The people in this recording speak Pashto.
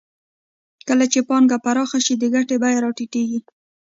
کله چې پانګه پراخه شي د ګټې بیه راټیټېږي